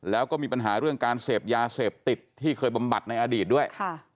แล้วก็มีปัญหาเรื่องการเสพยาเสพติดที่เคยบำบัดในอดีตด้วย